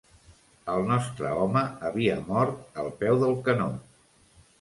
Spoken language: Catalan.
El nostre home havia mort al peu del canó